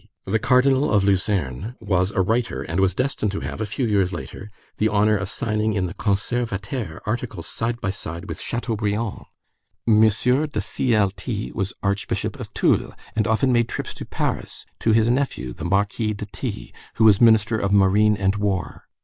The Cardinal of Luzerne was a writer and was destined to have, a few years later, the honor of signing in the Conservateur articles side by side with Chateaubriand; M. de Cl T was Archbishop of Toul, and often made trips to Paris, to his nephew, the Marquis de T, who was Minister of Marine and War.